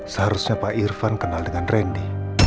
seharusnya pak irfan kenal dengan randy